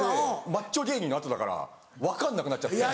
マッチョ芸人の後だから分かんなくなっちゃって。